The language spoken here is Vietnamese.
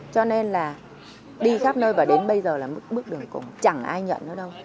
cho nên là đi khắp nơi và đến bây giờ là bước đường cùng chẳng ai nhận nó đâu